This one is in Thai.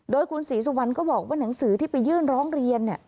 โดยคุณศรีสุวรรณก็บอกว่าหนังสือที่ไปยื่นร้องเรียน